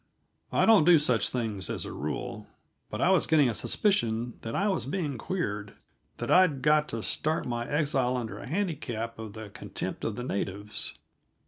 I don't do such things as a rule, but I was getting a suspicion that I was being queered; that I'd got to start my exile under a handicap of the contempt of the natives.